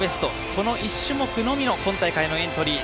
この１種目のみの今大会のエントリー。